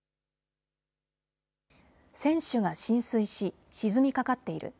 船首が浸水し、沈みかかっている。